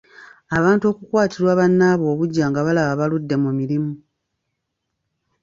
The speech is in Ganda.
Abantu okukwatirwa bannaabwe obuggya nga balaba baludde mu mirimu.